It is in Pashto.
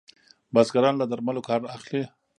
بزګران له درملو کار اخلي.